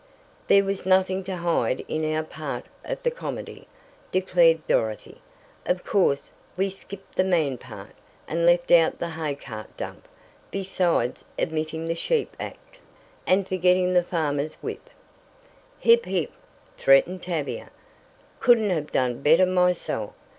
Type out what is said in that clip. "There was nothing to hide in our part of the comedy," declared Dorothy. "Of course, we skipped the man part, and left out the hay cart dump, besides omitting the sheep act, and forgetting the farmer's whip " "Hip! Hip!" threatened Tavia. "Couldn't have done better myself.